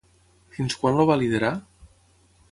Fins quan el va liderar?